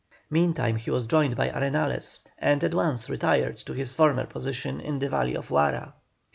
Meantime he was joined by Arenales, and at once retired to his former position in the valley of Huara.